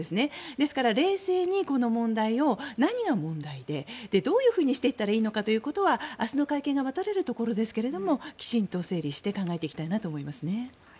ですから冷静にこの問題を何が問題でどういうふうにしていったらいいのかというところは明日の会見が待たれるところですけどもきちんと整理して考えていきたいなと思いますね。